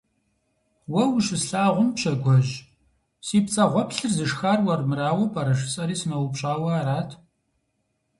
Уэ ущыслъагъум, Пщагуэжь, си пцӀагъуэплъыр зышхар уэрмырауэ пӀэрэ жысӀэри сыноупщӀауэ арат.